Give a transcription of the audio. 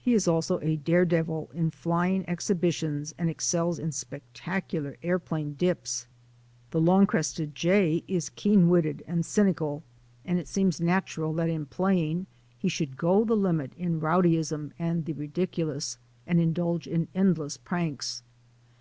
He is also a dare devil in flying exhibitions and excels in spectacular airplane dips. The long crested jay is keen witted and cynical, and it seems natural that in playing he should go the limit in rowdyism and the ridiculous, and indulge 2o8 THE ADVENTURES OF A NATURE GUIDE in endless pranks.